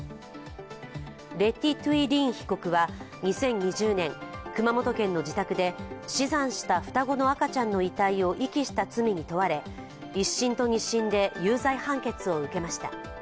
レー・ティ・トゥイ・リン被告は２０２０年、熊本県の自宅で死産した双子の赤ちゃんの遺体を遺棄した罪に問われ、１審と２審で有罪判決を受けました。